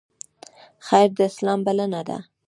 خیر د اسلام بلنه ده